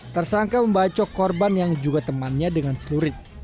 tersangka membacok korban yang juga temannya dengan celurit